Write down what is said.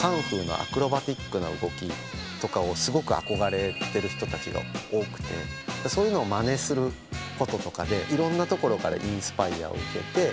とかをすごく憧れてる人たちが多くてそういうのをまねすることとかでいろんなところからインスパイアを受けて更に。